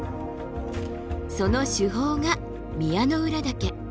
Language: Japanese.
その主峰が宮之浦岳。